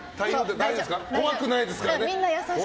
怖くないですからね。